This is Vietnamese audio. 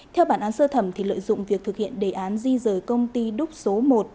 theo bản án sơ thẩm lợi dụng việc thực hiện đề án di rời công ty đúc số một